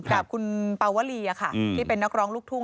กับคุณปาวลีที่เป็นนักร้องลูกทุ่ง